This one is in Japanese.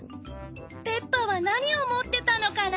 ペッパは何を持ってたのかな？